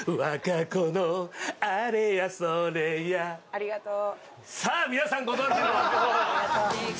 ありがとう。